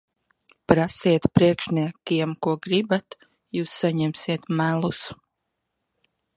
Prasiet priekšniekiem, ko gribat. Jūs saņemsiet melus.